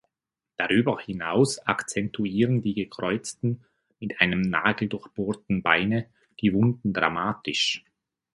Darüber hinaus akzentuieren die gekreuzten mit einem Nagel durchbohrten Beine die Wunden dramatisch.